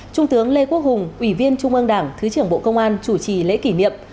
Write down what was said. trung tướng lê quốc hùng ủy viên trung ương đảng thứ trưởng bộ công an chủ trì lễ kỷ niệm